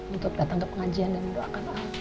untuk datang ke pengajian dan mendoakan